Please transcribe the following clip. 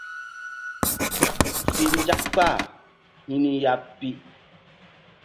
Si nzak kpah hi ni ya pi.